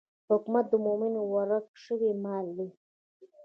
حکمت د مومن ورک شوی مال دی.